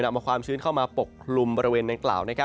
นำเอาความชื้นเข้ามาปกคลุมบริเวณดังกล่าว